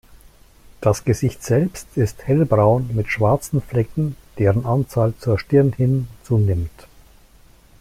Das Gesicht selbst ist hellbraun mit schwarzen Flecken, deren Anzahl zur Stirn hin zunimmt.